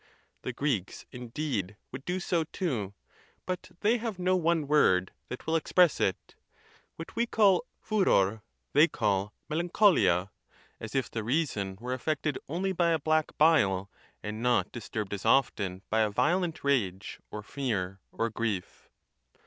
The Greeks, indeed, would "do so too, but they have no one word that will express it: what we call furor, they call pedayxoXia, as if the reason 96 THE TUSCULAN DISPUTATIONS. were affected only by a black bile, and not disturbed as often by a violent rage, or fear, or grief.